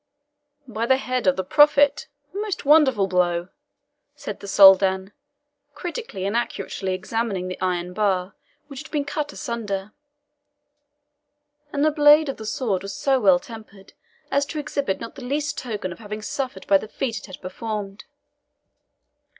"By the head of the Prophet, a most wonderful blow!" said the Soldan, critically and accurately examining the iron bar which had been cut asunder; and the blade of the sword was so well tempered as to exhibit not the least token of having suffered by the feat it had performed.